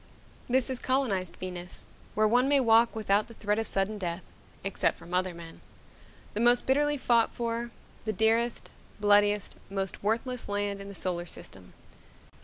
This is colonized Venus, where one may walk without the threat of sudden death except from other men the most bitterly fought for, the dearest, bloodiest, most worthless land in the solar system.